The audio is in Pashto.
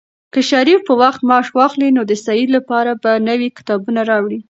که شریف په وخت معاش واخلي، نو د سعید لپاره به نوي کتابونه راوړي.